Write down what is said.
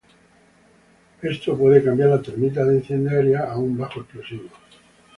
Esto puede cambiar la termita de incendiaria a un bajo explosivo.